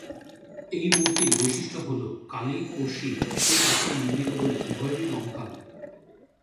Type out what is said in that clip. এই মূর্তির বৈশিষ্ট্য হল, কালী ও শিব একই পাথরে নির্মিত বলে উভয়েরই রং কালো।